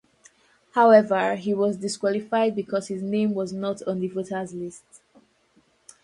However, he was disqualified because his name was not on the voter's list.